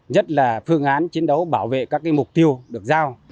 nhất là phương án chiến đấu bảo vệ các mục tiêu được giao